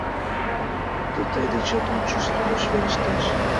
Тудо тый дечет ончыч судыш верештеш.